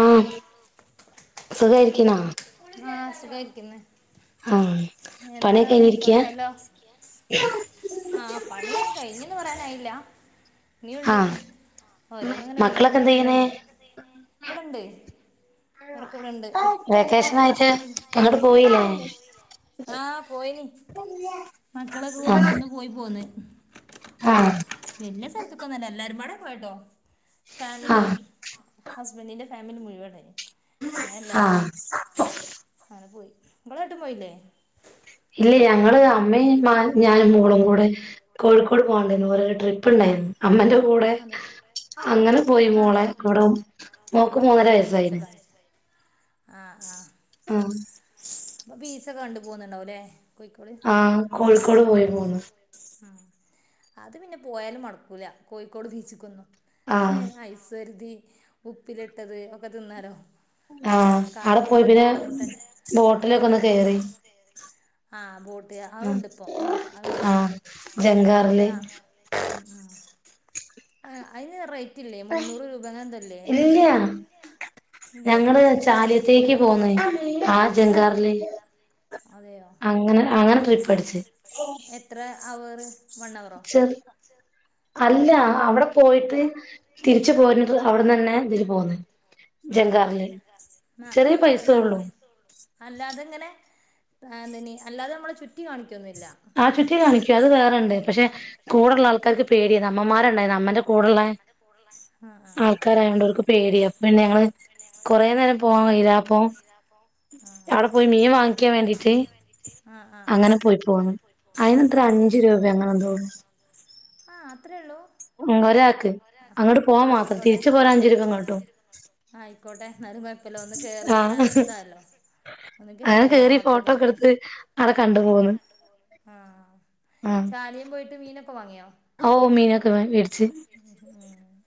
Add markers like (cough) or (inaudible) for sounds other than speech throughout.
ആ സുഖായിരിക്ക്ണാേ ആഹ സുഖായിരിക്കുന്ന് എന്താണ് കൊറയായല്ലോ ആ പണി കഴിഞ്ഞെന്ന് പറയാനായില്ല ഇനിയുണ്ട് ഓരോന്ന് ഇങ്ങനെ ഒരുങ്ങിക്കൊണ്ടിരിക്കുന്നേള്ളു ഇവിടെണ്ട് അവരൊക്കെ ഇവിടെണ്ട് വെക്കേഷനായിട്ട് എങ്ങടും പോയില്ലേ ആ ആ വല്യ സ്ഥലത്ത്ക്കൊന്നും അല്ല എല്ലാരുപാടെ പോയിട്ടോ ഫാമിലി ഹസ്ബൻഡിന്റെ ഫാമിലി മുഴുവൻ അങ്ങനെ എല്ലാരും അങ്ങനെ പോയി ഇങ്ങളെങ്ങിട്ടും പോയില്ലേ ഇല്ല ഞങ്ങള് അമ്മയും ഞാനും മോളും കൂടെ കോഴിക്കോട് പോകണ്ടിയിരുന്നു ഓരോ ട്രിപ്പ് ഉണ്ടായിരുന്നു അമ്മന്റെ കൂടെ അങ്ങനെ പോയി മോളെ കൂടെ മോൾക്ക് മൂന്നര വയസായിന് ആ അപ്പൊ പീസൊക്കെ കണ്ടു പോകുന്നുണ്ടാവുംല്ലേ ആഹ കോഴിക്കോട് പോയിരുന്നൂന്ന് അത് പിന്നെ പോയാലും മടുക്കൂല കോഴിക്കോട് ബീച്ചിക്കൊന്നും ഏ ഐസൊരത്തി ഉപ്പിലിട്ടത് ഒക്കെ തിന്നാലോ ആ അവിടെ പോയി പിന്നെ ബോട്ടില് ഒന്ന് കേറി ആഹ ബോട്ട് ആതുണ്ട് ഇപ്പോ അതുണ്ടല്ലോ അത് ആ ഉ ഉ ആ അതിന് റേ ഇല്ല ഇല്ല ഞങ്ങള് ചാലിയത്തേക്ക് പോന്ന് ആ ജങ്കാറില് അങ്ങനെ അങ്ങനെ ട്രിപ്പടിച്ചു എത്ര അവറ് വണ്ണവറോ അല്ല അവിടെ പോയിട്ട് തിരിച്ചു പോരുന്നിട്ട് അവിടന്നന്നെ ഇതില് പോന്ന് ജംഗാറില് ചെറിയ പൈസഉള്ളൂ (unintelligible) അല്ലാതെ നമ്മളെ ചുറ്റി കാണിക്കു ആ ചുറ്റി കാണിക്കും. അത് വേറെണ്ട്. പക്ഷെ കൂടെള്ള ആൾക്കാർക്ക് പേടിയാ. അമ്മമാരൊണ്ടാരുന്നു. അമ്മേന്റെ കൂടൊള്ളെ ആൾക്കാരായോണ്ട് അവർക്ക് പേടിയാ. അപ്പൊ പിന്നെ ഞങ്ങള് കൊറെ നേരം പോകാൻ വൈകി രാ അപ്പൊ അവിടെ പോയി മീൻ വാങ്ങിക്കാൻ വേണ്ടിട്ട് അങ്ങനെ പോയി പോന്നു. അയിനെത്ര അഞ്ചു രൂപ എങ്ങനോ തോ ആ അത്രേ ഉള്ളൂ? ഒരാക്ക് അങ്ങോട്ട് പോവാൻ മാത്രം തിരിച്ചു പോരാ അഞ്ചു രൂപയിങ്ങോട്ടും. (unintelligible) (unintelligible) മീനോക്കെ വാങ്ങിയോ?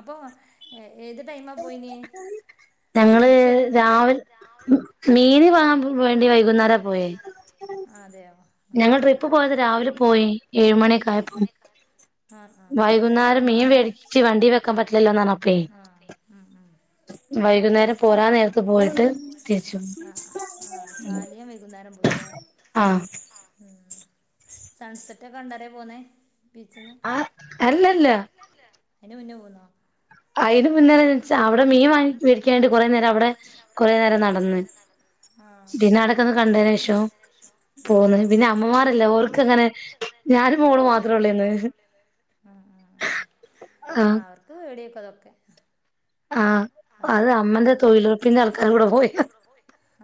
അപ്പൊ ഏ ഞങ്ങള് രാവില് മീന് വാ വേണ്ടി വൈകുന്നേരാ പോയേ. ഞങ്ങൾ ട്രിപ്പ് പോയത് രാവിലെ പോയി ഏഴുമമണിയൊക്കെയായയപ്പം. വൈകുന്നേരം മീൻ വേടിച്ച് വണ്ടി വെക്കാൻ പറ്റില്ലല്ലോ എന്നാണ് അപ്പേ. വൈകുന്നേരം പോരാൻ നേരത്ത് പോയിട്ട് തിരിച്ചു വന്നു. ആഹ് ചാലിയം വൈകുന്നേരം പോയില്ലേ? ഉം സൺസെറ്റ് ഒക്കെ കണ്ടല്ലേ പോന്നേ? ആ അല്ലല്ലാ. അതിന് മുന്നേ പോന്നോ? അയിന് മുന്നേ എന്നുവച്ചാൽ അവിടെ മീൻ വാങ്ങി, മേടിക്കാൻവേണ്ടി കൊറേനേരം അവിടെ കൊറേ നേരം നടന്നു. പിന്നെ അവിടെയൊക്കെയൊന്നു കണ്ടതിനുശേഷം പോന്നു. പിന്നെ അമ്മമാരല്ലേ ഓർക്ക് അങ്ങനെ ഞാനും മോള് മാത്രേ ഉള്ളേന്ന് ആ.. ഓക്കെ ആൾക്ക് പേടിയാ.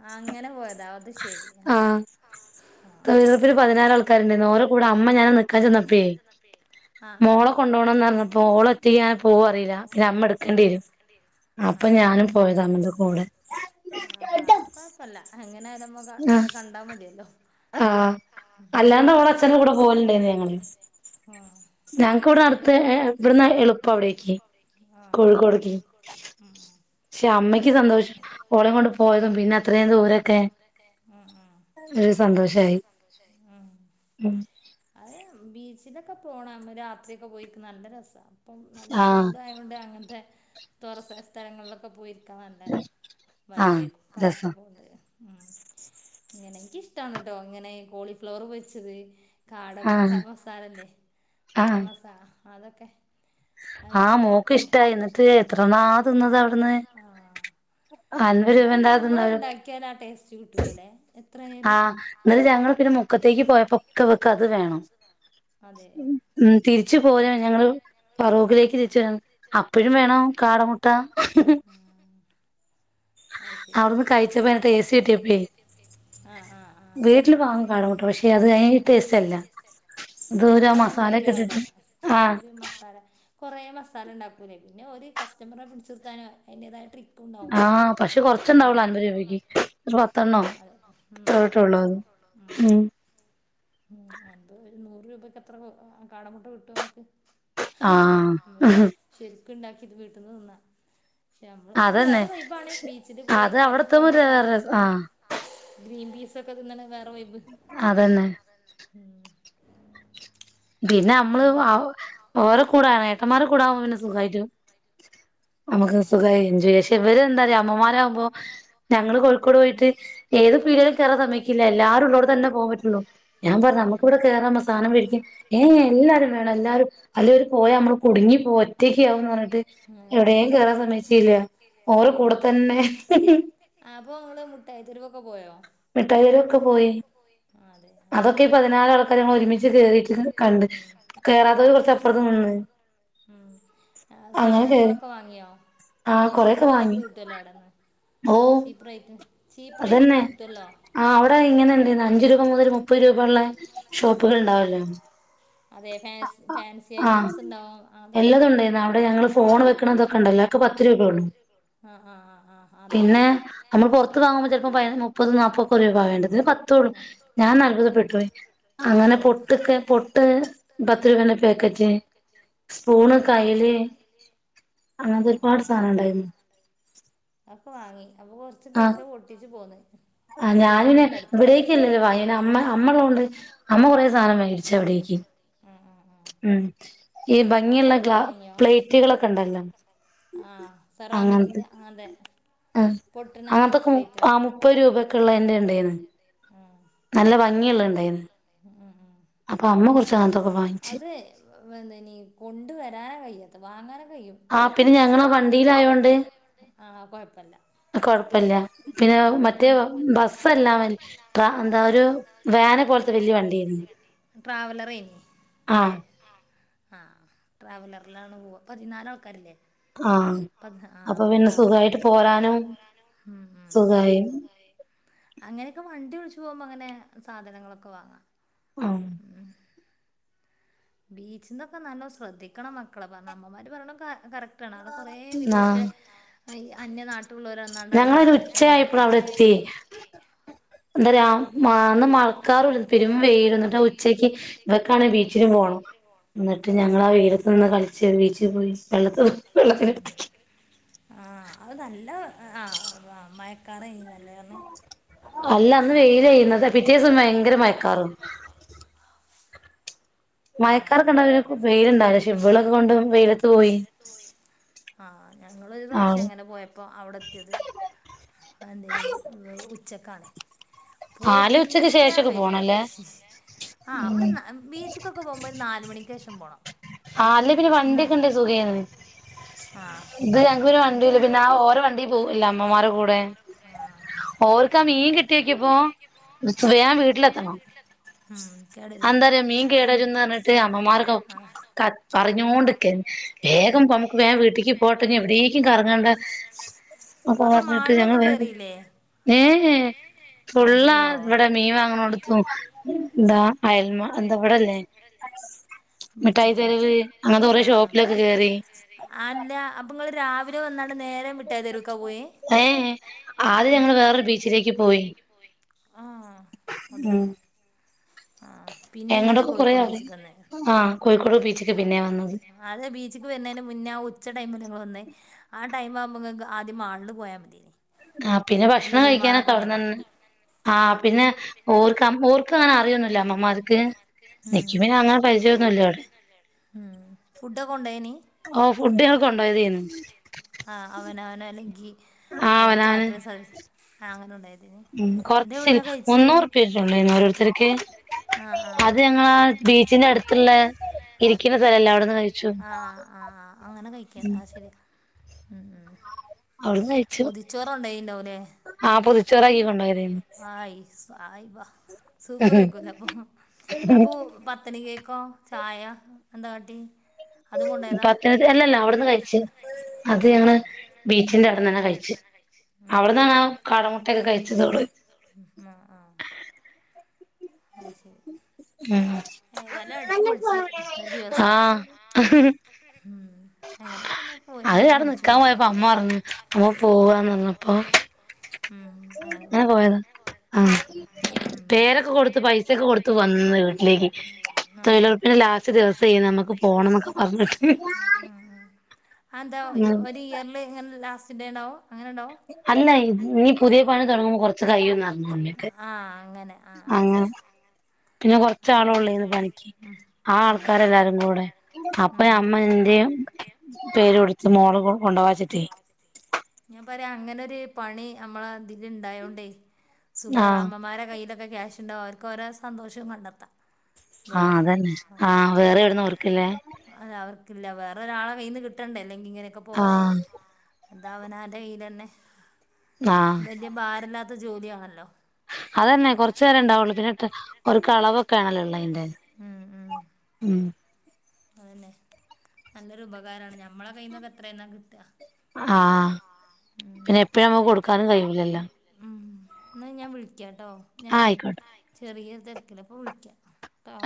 ആഹ് അങ്ങനെ പോയതാ അതുശ ആ തൊഴിലുറപ്പിന് പതിനാറ് ആൾക്കാരുണ്ടാരുന്നു. ഓരെ കൂടെ അമ്മ ഞാൻ നിക്കാൻ ചെന്നപ്പോളെ മോളെ കൊണ്ടുപോണന്ന് പറഞ്ഞപ്പോ ഓള് ഒറ്റക്ക് ആയാ പോവൊന്ന് അറിയില്ല. പിന്നെ അമ്മ എടുക്കേണ്ടി വരും. ഇപ്പൊ ഞാനും പോയതാ അമ്മന്റെ കൂടെ. അങ്ങനെ (unintelligible) ആ ആ അല്ലാണ്ട് ഓള് അച്ഛന്റെ കൂടെ പോവകുണ്ടായിന് ഞങ്ങള്. ഞങ്ങൾക്കിവിടുന്ന് അടുത്ത്, ഇവിടുന്നെളുപ്പാ അവിടേക്ക് കോഴിക്കോടേക്ക്. പക്ഷേ, അമ്മയ്ക്ക് സന്തോഷം, ഓളേം കൊണ്ട് പോയതും, പിന്നെ അത്രേം ദൂരൊക്കെ ഒരു സ സന്തോഷായി ഉം അത് ബീച്ച് ഇതൊക്കെ പോണം, രാത്രിയൊക്കെ പോയിക്ക് നല്ല രസാ ഇപ്പം നല്ല ചൂടായോണ്ട് അങ്ങൻ ത്തെ. തോറ (unintelligible) സ്ഥലങ്ങളിലൊക്കെ പോയി. ഒക്ക നല്ല വൈബേക്കും കാറ്റൊക്കകൊണ്ട്. ഉം ഇങ്ങനെ ന്ക്ക് ഇഷ്ടാണ് ട്ടോ ഇങ്ങനെ ഈ കോളിഫ്ലവർ പൊരിച്ചത്. കാടമുട്ട മസാലല്ലേ മുട്ടമസാ അതൊക്കെ ആ മോൾക്ക് ഇഷ്ടായി ന്നിട്ട് എത്രണ്ണാ തിന്നത് അവിട്ന്ന്. അതിന് ഞമ്മള് ഇണ്ടാക്കിയാല് ആ ടേസ്റ്റ് കിട്ടൂലല്ലേ. ആ ഇന്നലെ ഞങ്ങൾ പിന്നെ മുക്കത്തേക്ക് പോയപ്പക്കെ ഇവൾക്ക് അത് വേണം മ് പി ച്ചു പോരാൻ ഞങ്ങള് പറൂക്കിലേക്ക് തിരിച്ച് വര് അപ്പോഴും വേണം കാടമുട്ട അവിടുന്ന് കഴിച്ചപ്പേ അയിന്റെ ടേസ്റ്റ് കിട്ടിയപ്പേ വീട്ടിൽ വാങ്ങും കാടമുട്ട പക്ഷെ അത് (unintelligible) ടേസ്റ്റ് അല്ല ഇത് ഓര് ആ മസാല ക്കെ ഇട്ടിട്ട്. അതൊരു മസാല കൊറെ മസാല ഇണ്ടാക്കൂലേ പിന്നെ ഓല് കസ്റ്റമറെ പിടിച്ചുനിർത്താൻ അയി ന്റേതായ ട്രി -ട്ടും ഉണ്ടാവും പിന്നേ ആ കുറച്ച് കുറച്ചേ ഉണ്ടാവുള്ളു അൻപത് രൂപക്ക് അത്രയൊക്കെ ഉണ്ടാവുള്ളൂ ഉം ഉം അൻപത് ഒരു നൂ പത്ത് രൂപയ്ക്ക് എത്ര കാടമുട്ട കി ട്ടും നമുക്ക് ആ ഒക്കെ ഉണ്ടാക്കിയത് വീട്ടിന്ന് തിന്ന് പക്ഷേ ഞമ്മള് ആ വേറെ വൈബാണ് ബീച്ചില് പോയി കാറ്റും കൊണ്ട് കാടമുട്ടയും ഗ്രീൻ പീസ് ഒക്കെ തിന്നണ് വേ അതെന്നെ. ഉം പിന്നെ നമ്മള് വൗ ഓറെ കൂടാനെ അപ്പന്മാരുടെ കൂടെയാകുമ്പോൾ പിന്നെ സുഖായിട്ടും നമുക്ക് സുഖമായി എൻജോയ് ചെയ്യാം പക്ഷെ ഇവര് എന്താന്നറിയാവോ അമ്മമാരാവുമ്പോൾ ഞങ്ങള് കോഴിക്കോട് പോയിട്ട് ഏത് പീടികയിലും കയറാൻ സമ്മതിക്കില്ല എല്ലാരും ഉള്ളോടത്ത് തന്നെ പോകാൻ പറ്റുള്ളൂ ഞാൻ പറഞ്ഞു നമുക്കിവിടെ കേറാം അമ്മേ സാധനം മേടിക്കാൻ. ഉം എല്ലാരും വേണം എല്ലാരും അല്ലേൽ അവര് പോയാ നമ്മള് കുടുങ്ങി പോയി ഒറ്റക്കാകൂന്ന്‌ പറഞ്ഞിട്ട് എവിടെ സമ്മതിച്ചില്ല ഓലെ കൂടെ തന്നെ. മുട്ടായിത്തെരുവ് ഒക്കെ പോയോ. മിട്ടായിത്തെരുവ് ഒക്കെ പോയി അതൊക്കെ ഈ പതിനേഴ് ആൾക്കാര് ഒരുമിച്ച് കേറിട്ടിരുക്കുന്നുത് കണ്ടു കേറാത്തവര് കൊറച്ച അപ്പുറത്ത് നിന്ന് അങ്ങനെ കേറി. ഒക്കെ വാങ്ങിയോ ചീപ്പ് വിലക്ക് കിട്ടുവല്ലോ അവിടെന്ന് ചീപ്പ് റേറ്റിന്. അതെന്നെ ആ അവിടെ ഇങ്ങനെണ്ടന്ന് അഞ്ചു രൂപ മുതൽ മു പപ്പ രൂപള്ള ഷോപ്പുകൾ ഉണ്ടാവല്ലോ ആ എല്ലാതും ഉണ്ടായിരുന്ന അവിടെ ഞങ്ങള് ഫോൺ വെക്കണതൊക്കെ ഉണ്ടല്ലക്കെ അയാൾക്ക് പത്ത് രൂപ ഉള്ളു പിന്നെ നമ്മൾ വാങ്ങുമ്പോ ചിലപ്പോൾ മുപ്പത് നാപ്പത് രൂപ വേണ്ടത് ഇതിന് പത്തോള്ളൂ ഞാൻ അത്ഭുതപ്പെട്ടു പോയി പൊട്ടൊക്കെ പൊട്ട് പത്ത് രൂപന്റ പാക്കറ്റ് സ്പൂണ് കൈൽ അങ്ങനത്തെ ഒരുപാട് സാധനം ഉണ്ടായിരുന്നു അപ്പൊ കൊറച്ച് പൈസ പൊട്ടിച്ചു പോന്നു ആ ഞാനി നി ഇവിടേക്കല്ലല്ലോ വാങ്ങിയേ അമ്മ അമ്മഒള്ളൊണ്ട് അമ്മ കുറെ സാധനം വാങ്ങിച്ചു വിടക്ക് ഉ ഈ ഭംഗിയുള്ള ഗ്ല (unintelligible) പ്ലേറ്റുകളൊക്കെ ഉണ്ടല്ലോ അങ്ങനത്തെ ആ അങ്ങനത്തൊക്കെ ആ മുപ്പ മുപ്പത് രൂപയൊക്കെ ഉള്ളേ ഉണ്ട് ഉണ്ടെന്ന് നല്ല ഭംഗിയള്ള ഇണ്ടായിരുന്നു. അത എന്തിന്നി കൊണ്ടുവരൻ കയ്യ (inaudible) വാങ്ങന കും തൂക്കി പിടിച്ച് പിന്നെ ഞങ്ങള വണ്ടിയിലയോണ്ട് ആ ആ കൊഴപ്പില്ല പിന്നെ മറ്റേ ബസ്സ അല്ല എന്താ ഒരു വാനെ പോലത്തെ വലിയ വണ്ടിആയിന് ആഹ് ആഹ ട്രാവലറിലാണ് പോവ പതിനാല് ആൾക്കാരില്ലേയ്ന് ആ അപ്പൊ ട്രാവലറ ആ അപ്പൊ പിന്നെ സുഖായിട്ട് പോരാനും സുഖയി അങ്ങനൊക്കെ വണ്ടി വിളിച്ച ചു (unintelligible) പോകുമ്പോൾങ്ങനെ സാധനങ്ങളൊക്കെ വാങ്ങാം ആഹ് ബീച്ചിൽന്നൊക്കെ നലോണം ശ്രദ്ധിക്കണം മക്കളെ പറഞ്ഞ അമ്മമാര് പറഞ്ഞണം കറക്റ്റ് അവിടെ കുറേ വിദേശ അയ് അന്യ നാട്ട ഞങ്ങളൊരു ഉച്ചയയപ്പോഴ അവിടെ എത്തി (unintelligible) അന്ന് മഴക്കാറ് പെരും വെയിൽ എന്നിട്ട് ഉച്ചക്ക് ഇവക്കാണ ബീച്ചിലും പോണം എന്നിട്ട് ഞങ്ങളാ വെയിലത്ത് നിന്ന് കളിച്ച് ബീച്ചിൽ പോയി വെള്ളത്തി വെള്ളത്തിന്റെ അടുത്തേക്ക് ല്ല ആ മഴക്കാരേയ്ന് (inaudible) അല്ല അന്ന് വൈ വെയിലായിരുന്നത് പിറ്റേ ദിവസം ഭയങ്കര മഴക്കാറും മഴക്കാറൊക്കെ ഉണ്ടായാലും വെയിലുണ്ടവില്ല, പക്ഷേ ഇവളും കൊണ്ട് വെയിലത്ത് പോയി. ആഹ് ഞങ്ങള് ഒരു പ്രാവശ്യം അങ്ങനെ പോയപ്പോൾ അവിടെത്തിയത് എന്തെനി ഉച്ച ഉച്ചക്കാണ്. പൊരിഞ്ഞ വെയില്, ആഹ് ഹി ഹി അവിടെ ന ബീചിക്ക് ച്ച്ക്ക് പ്പോവുമ്പോ ഒരു നാല് മണിക്ക് ശേഷം പോണം. ആ അല്ല പിന്നെയ്. വണ്ടിയൊക്കെയിണ്ടേ സുഖേർന്നു. ഇത് ഞങ്ങൾക്ക് ഒരു വണ്ടിയുമില്ല. പിന്നെ ആ ഓരോ വണ്ടിയിൽ പോവും ആ എല്ലാ അമ്മമ്മാരെകൂടെ ഓർ ക്കാ മീൻ കിട്ടിയോക്കിപ്പോ. ഞാൻ വീട്ടിലെത്തണം. അന്തര മീൻ കേടാരുന്ന് പറഞ്ഞിട്ട് അമ്മമ്മരൊക്കെ പറഞ്ഞോണ്ടിക്കന്നെ, വേഗം നമുക്ക് വേഗം വീട്ടിക്ക് പോവട്ടോ ഇനി എവിടേക്കും കറങ്ങണ്ട അപ്പൊ പറഞ്ഞിട്ട് ഞങ്ങൾ വേഗം പോന്നു. വേ ഫുള്ളാ, ഇവിടെ മീൻ മാങ്ങ്ണോട്ത്ത് ന്താ അയൽമ എന്താ ഇവടല്ലേ? മിഠായി തെരുവ് അങ്ങനത്തെ കുറെ ഷോപ്പിലൊക്കെ കേറി. നിങ്ങൾ രാവിലെ വ ഹെ ഹെ ആദ്യം ഞങ്ങൾ വേറൊരു ബീച്ചിലേക്ക് പോയി. ഹ്മ്മ് ആ പിന്നെ ഇങ്ങോട്ട് കോഴിക്കോട് ബീച്ചക്ക് വന്നെന്നോ, അതെ ബീച്ചക്ക് വരുന്നതിന് മുന്നേ ആ ഉ ഉച്ച ടൈമിന് അല്ലെ നിങ്ങൾ വന്നേ, ആ ടൈംമാവുമ്പോൾനിങ്ങക്ക് ആദ്യം മാളിൽ പോയാൽ മതിയെനി ആ പിന്നെ ഭക്ഷണം കഴിക്കാനൊക്കെ അവട്ന്ന് ആഹ് പിന്നെ ഓർക്കാം. ഓർക്ക് അങ്ങനെ അറിയൊന്നുമില്ല അമ്മമാർക്ക്. നിക്ക്പിന്നെ അങ്ങനെ പരിചയൊന്നുമില്ല അവിടെ ഓ ഫുഡ് ഞങ്ങൾ കൊണ്ടുയെതീന്ന് ആഹ് അവനവനോ അല്ലെങ്കി? ക്യാറ്ററിങ്ങ് സർവീസ് ആഹ് അങ്ങനെകൊണ്ടോയി. ഉം കൊറച്ച് മുന്നൂറ് രൂപഉള്ളരുന്നോ ഒരോരുത്തർക്ക് അത് ഞങ്ങാ ബീച്ചിന്റെ അടുത്തുള്ള ഇരിക്കുന്ന സ്ഥലംഇല്ലേ അവിടന്ന് കഴിച്ചു. ഹ്മ്മ് ഹ്മ്മ് പൊതിചോറൊണ്ടായിണ്ടാവുവെല്ലേ, ആശ് ആയിവ സൂപ്പറായീക്കുവലേ അപ്പൊ പത്തണിക്ക് ചായ എന്താകാട്ടി (unintelligible) അല്ലല്ല അവിടന്ന് കഴിച്ചു അത് ഞങ്ങള് ബീച്ചിന്റെ അവിടന്നങ്ങ് കഴിച്ചു അവിടന്നാണാ കാടമുട്ടയൊക്കെ കഴിച്ചത് അവള് അത് ശരി ഉം ആ അത് അവിടെ നിക്കാൻ പോയപ്പോ അമ്മ പറഞ്ഞു അമ്മ പോവാന്ന്‌ പറഞ്ഞപ്പോ അങ്ങനെ പോയതാ ആഹ് പേരൊക്കെ കൊടുത്ത് പൈസയോക്കെ കൊടുത്ത് വന്ന് വീട്ടിലേക്ക് തൊഴിലുറപ്പിന്റെ ലാസ്റ്റ് ദിവസ നമ്മുക്ക് പോണന്നൊക്കെ പറഞ്ഞിട്ട് ഇന്നേണോ അല്ലേ ഈ ഇനി പുതിയ പണി തുടങ്ങുമ്പോ കൊറച്ച് (unintelligible) അങ്ങനെ പിന്നെ കൊറച്ചാള് ഉള്ളു ഇന്ന് പണിക്ക് ആ ആൾക്കാരെല്ലാരും കൂടെ അപ്പ അമ്മന്റെയും പേര് കൊടു (unintelligible) കൊണ്ടവാച്ചിട്ടേ (unintelligible) അങ്ങനൊരു പണി നമ്മള ഇതില് ഇണ്ടായോണ്ടേ സുഖർ അമ്മമാര കൈ ക്യാഷ്ണ്ടാവും അവർക്കോരോ സന്തോഷവും കണ്ടെത്താം. ആഹ് അതന്നെ ആഹ് വേറെ എവിടന്ന ഓർക്കില്ലേ? ഇല്ല വേറൊരാളെ കയിന്ന് കി ട്ടണ്ടെ അല്ലെങ്കി ഇങ്ങനെയൊക്കെ പോവാന് എന്താ അവനാൻ്റെ കയ്യിലെന്നെ. ബല്ല്യ ബാരോല്ല ജോലിയാണല്ലോ. അതന്നെ കൊറച്ചു നേരം ഉണ്ടാവുള്ളു പിന്നെക്ക് ഓര്ക്ക് അളവൊ കാണലുള്ളതിൻ്റെ ഉം. അതന്നെ നല്ലൊരു ഉപകാരമാണ് ഞമ്മളെ കയ്യിൽ നിന്നൊക്കെ എത്രയെന്ന കിട്ടുക? ആഹ് പിന്നെ എപ്പോഴും അങ്ങനെ കൊടുക്കാനും കഴിയൂലല്ലോ ആഹ് ആയിക്കോട്ടെ. തിരക്കിലാ ഇപ്പൊ വിളിക്കാ. ട്ടൊ